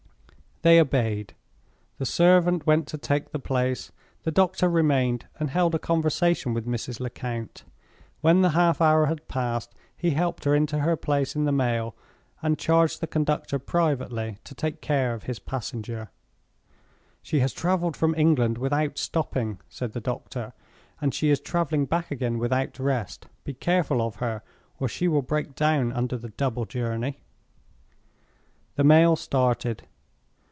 They obeyed. The servant went to take the place: the doctor remained and held a conversation with Mrs. Lecount. When the half hour had passed, he helped her into her place in the mail, and charged the conductor privately to take care of his passenger. "She has traveled from England without stopping," said the doctor; "and she is traveling back again without rest. Be careful of her, or she will break down under the double journey." The mail started.